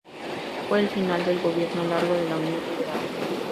Fue el final del "gobierno largo" de la Unión Liberal.